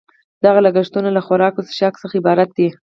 دغه لګښتونه له خوراک او څښاک څخه عبارت دي